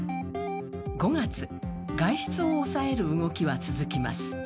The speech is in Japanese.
５月、外出を抑える動きは続きます。